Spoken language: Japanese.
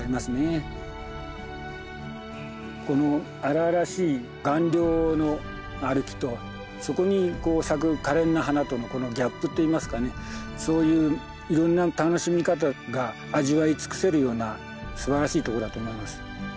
この荒々しい岩稜の歩きとそこに咲くかれんな花とのギャップっていいますかねそういういろんな楽しみ方が味わい尽くせるようなすばらしいとこだと思います。